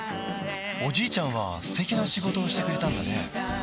おじいちゃんは素敵な仕事をしてくれたんだね